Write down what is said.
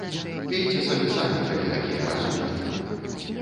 Пейце сабе самі, калі такія разумныя!